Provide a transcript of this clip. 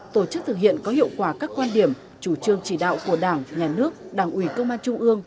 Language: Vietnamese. tổ chức thực hiện có hiệu quả các quan điểm chủ trương chỉ đạo của đảng nhà nước đảng ủy công an trung ương